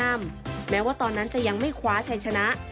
แม้ว่าตอนนั้นจะยังไม่คว้าชัยชนะ